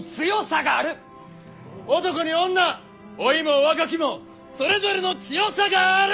男に女老いも若きもそれぞれの強さがある！